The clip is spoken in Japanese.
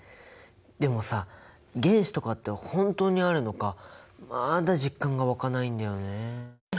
でもさ原子とかって本当にあるのかまだ実感が湧かないんだよね。